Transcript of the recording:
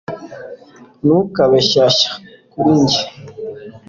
ntukabe shyashya kuri njye